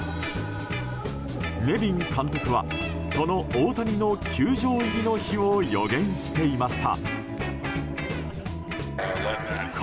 ネビン監督はその大谷の球場入りの日を予言していました。